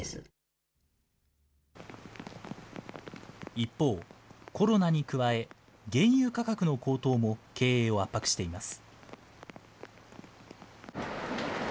一方、コロナに加え、原油価格の高騰も経営を圧迫しています。